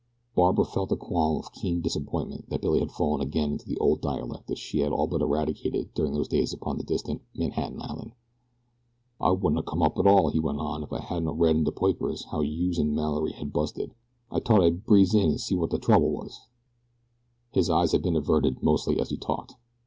Barbara felt a qualm of keen disappointment that Billy had fallen again into the old dialect that she had all but eradicated during those days upon distant "Manhattan Island." "I wouldn't o' come up atal," he went on, "if I hadn't o' read in de poiper how youse an' Mallory had busted. I t'ought I'd breeze in an' see wot de trouble was." His eyes had been averted, mostly, as he talked.